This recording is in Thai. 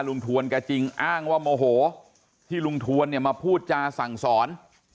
ทวนแกจริงอ้างว่าโมโหที่ลุงทวนเนี่ยมาพูดจาสั่งสอน